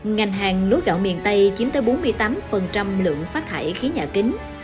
ngành hàng lúa gạo miền tây chiếm tới bốn mươi tám lượng phát thải khí nhà kính